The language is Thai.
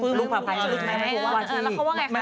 ปึ้มลูกภาพัยใช่ไหมแล้วเขาว่าไงคะ